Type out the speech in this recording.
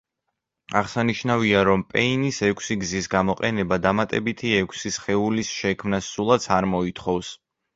აღსანიშნავია, რომ პეინის ექვსი გზის გამოყენება დამატებითი ექვსი სხეულის შექმნას სულაც არ მოითხოვს.